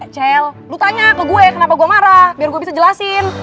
chel lo tanya ke gue kenapa gue marah biar gue bisa jelasin